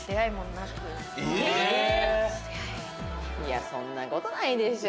いやそんな事ないでしょ。